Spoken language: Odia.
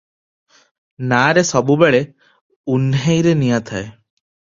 ନାଆରେ ସବୁବେଳେ ଉହ୍ନେଇରେ ନିଆଁ ଥାଏ ।